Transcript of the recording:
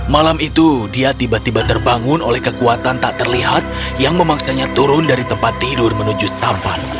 malam itu dia tiba tiba terbangun oleh kekuatan tak terlihat yang memaksanya turun dari tempat tidur menuju sampan